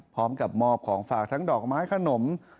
พร้อมกับมอบของฝากทั้งดอกไม้ขนม